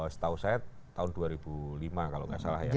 setahu saya tahun dua ribu lima kalau nggak salah ya